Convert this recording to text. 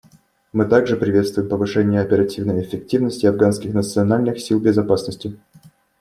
Мы также приветствуем повышение оперативной эффективности Афганских национальных сил безопасности.